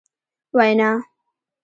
وینا ...